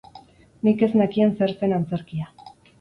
Nik ez nakien zer zen antzerkia!